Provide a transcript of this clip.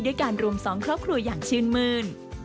ด้วยการรวม๒ครอบครัวอย่างชื่นมืน